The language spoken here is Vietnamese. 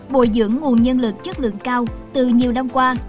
bồi dưỡng nguồn nhân lực chất lượng cao từ nhiều năm qua